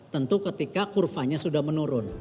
tentu ketika kurvanya sudah menurun